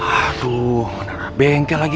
aduh mana bengkel lagi